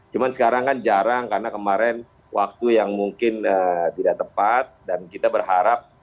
cuma sekarang kan jarang karena kemarin waktu yang mungkin tidak tepat dan kita berharap